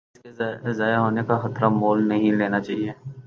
ہمیں اس کے ضائع ہونے کا خطرہ مول نہیں لینا چاہیے۔